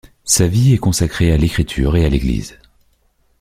Sa vie est consacrée à l’écriture et à l’Église.